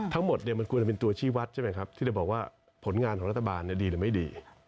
ทั้งหมดมันควรจะเป็นตัวชี้วัดที่จะบอกว่าผลงานของรัฐบาลดีหรือไม่ดี